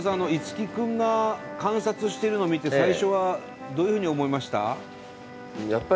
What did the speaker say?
樹くんが観察してるの見て最初はどういうふうに思いました？